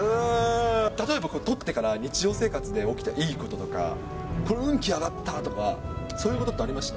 例えば捕ってから日常生活で起きたいいこととか、運気上がったとかそういうことってありまし